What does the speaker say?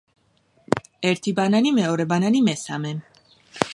ერთი ბანანი, მეორე ბანანი, მესამე.